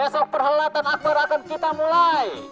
besok perhelatan akbar akan kita mulai